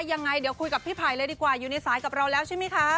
ยังไงเดี๋ยวคุยกับพี่ไผ่เลยดีกว่าอยู่ในสายกับเราแล้วใช่ไหมคะ